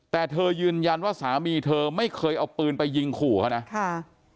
แต่เธอยืนยันว่าสามีเธอไม่เคยเอาปืนไปยิงขู่เขานะค่ะ